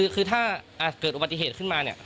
คือถ้าเกิดอุบัติเหตุขึ้นมาเนี่ย